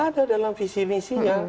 ada dalam visi visinya